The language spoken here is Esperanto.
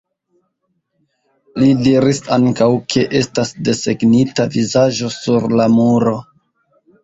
Li diris ankaŭ, ke estas desegnita vizaĝo sur la muro.